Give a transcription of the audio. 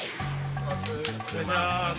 お願いします。